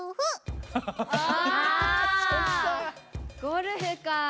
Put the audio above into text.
ゴルフかぁ。